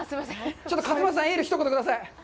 ちょっと勝俣さん、エール一つください。